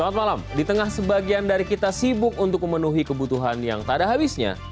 selamat malam di tengah sebagian dari kita sibuk untuk memenuhi kebutuhan yang tak ada habisnya